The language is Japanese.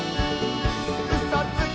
「うそつき！」